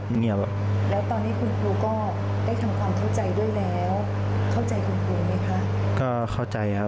แล้วตอนนี้คุณครูก็ได้ทำความเข้าใจด้วยแล้ว